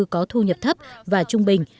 có thu nhập thấp và trung bình